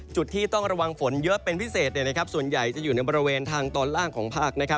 จุดที่ต้องระวังฝนเยอะเป็นพิเศษส่วนใหญ่จะอยู่ในบริเวณทางตอนล่างของภาค